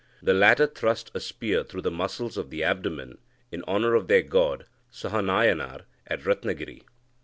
The latter thrust a spear through the muscles of the abdomen in honour of their god Saha nayanar at Ratnagiri.